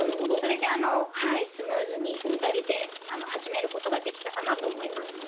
それでスムーズに２人で始めることができたかなと思います。